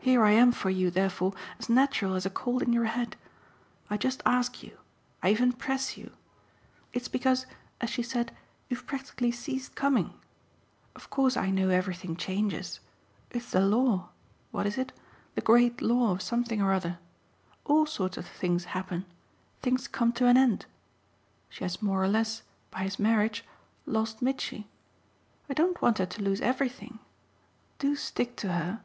Here I am for you therefore as natural as a cold in your head. I just ask you I even press you. It's because, as she said, you've practically ceased coming. Of course I know everything changes. It's the law what is it? 'the great law' of something or other. All sorts of things happen things come to an end. She has more or less by his marriage lost Mitchy. I don't want her to lose everything. Do stick to her.